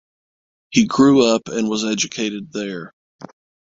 He grew up and was educated there.